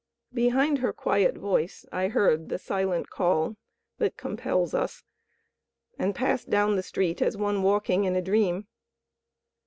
Behind her quiet voice I heard the silent call that compels us, and passed down the street as one walking in a dream.